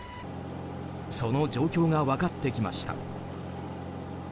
その状況が分かってきました。